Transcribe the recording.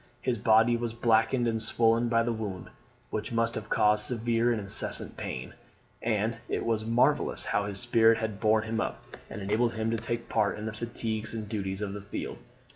His body was blackened and swollen by the wound, which must have caused severe and incessant pain; and it was marvellous how his spirit had borne him up, and enabled him to take part in the fatigues and duties of the field.